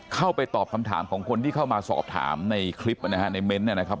เข้าไปตอบคำถามของคนที่เข้ามาสอบถามในคลิปนะฮะในเม้นต์เนี่ยนะครับ